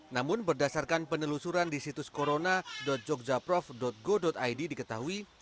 namun berdasarkan penelusuran di situs corona jogjaprov go id diketahui